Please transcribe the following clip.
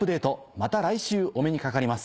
また来週お目にかかります。